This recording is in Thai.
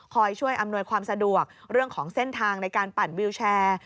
ช่วยอำนวยความสะดวกเรื่องของเส้นทางในการปั่นวิวแชร์